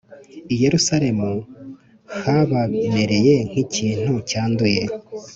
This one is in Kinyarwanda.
,I Yerusalemu habamereye nk’ikintu cyanduye.